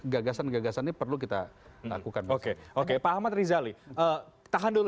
gagasan gagasan ini perlu kita lakukan